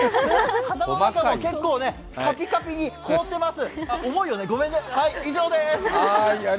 鼻の中も結構カピカピに凍ってます。